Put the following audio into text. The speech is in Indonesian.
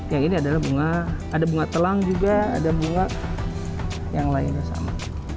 yang ini adalah bunga ada bunga telang juga ada bunga yang lainnya sama